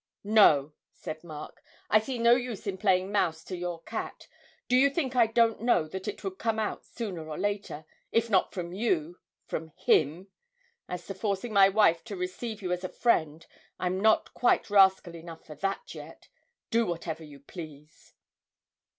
'No,' said Mark. 'I see no use in playing mouse to your cat. Do you think I don't know that it would come out sooner or later if not from you, from him? As to forcing my wife to receive you as a friend, I'm not quite rascal enough for that yet. Do whatever you please!'